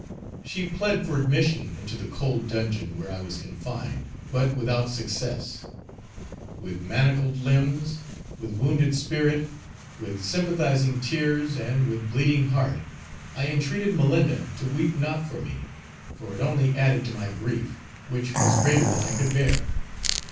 She plead for admission into the cold dungeon where I was confined, but without success. With manacled limbs; with wounded spirit; with sympathising tears and with bleeding heart, I intreated Malinda to weep not for me, for it only added to my grief, which was greater than I could bear.